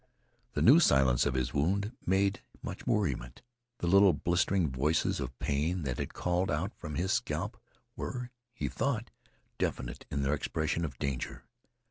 The new silence of his wound made much worriment. The little blistering voices of pain that had called out from his scalp were, he thought, definite in their expression of danger.